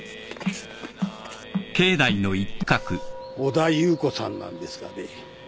小田夕子さんなんですがね